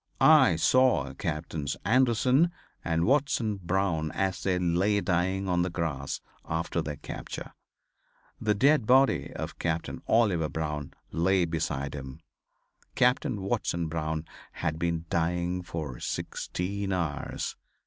I saw Captains Anderson and Watson Brown as they lay dying on the grass after their capture. The dead body of Captain Oliver Brown lay beside them. Captain Watson Brown had been dying for sixteen hours.